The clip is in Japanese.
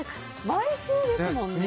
毎週ですもんね。